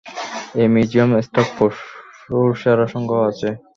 এই মিউজিয়ামে স্টাফড পশুর সেরা সংগ্রহ আছে!